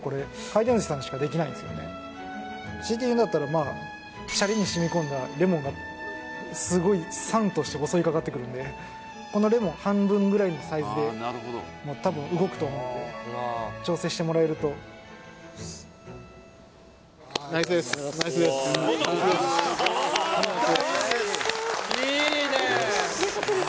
このシャリにしみこんだレモンがすごい酸として襲いかかってくるんでこのレモン半分ぐらいのサイズでも多分動くと思うんで調整してもらえるとよかったです